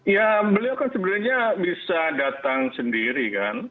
ya beliau kan sebenarnya bisa datang sendiri kan